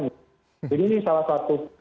jadi ini salah satu